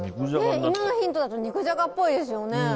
今のヒントだと肉じゃがっぽいですよね。